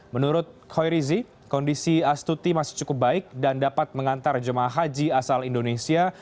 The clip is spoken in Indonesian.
menurut khoirizi kondisi astuti masih cukup baik dan dapat mengantar jemaah haji asal indonesia